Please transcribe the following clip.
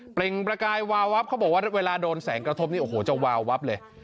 ประกายวาวับเขาบอกว่าเวลาโดนแสงกระทบนี่โอ้โหจะวาวับเลย